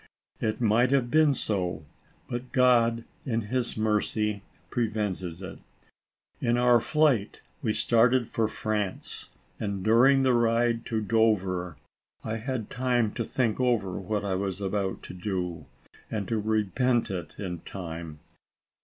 It might have been so, but God, in his mercy, prevented it. In our flight we started for France, and, during the ride to ALICE ; OR, THE WAGES OF SIN. 35 Dover, I had time to think over what I was about to do, and to repent in time.